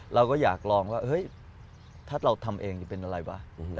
เราก็อยากลองว่าเฮ้ยถ้าเราทำเองจะเป็นอะไรวะ